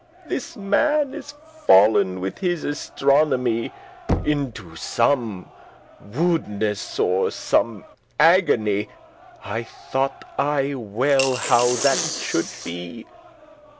*knows This man is fall'n with his astronomy Into some woodness* or some agony. *madness I thought aye well how that it shoulde be.